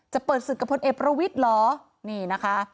จะเปิดศึกกับพลเอกประวิทย์เหรอนี่นะคะ